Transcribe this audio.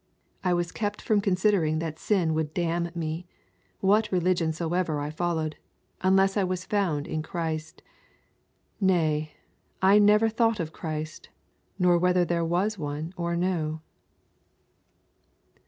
I was kept from considering that sin would damn me, what religion soever I followed, unless I was found in Christ. Nay, I never thought of Christ, nor whether there was one or no.'